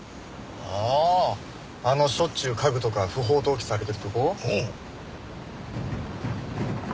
あああのしょっちゅう家具とか不法投棄されてる所？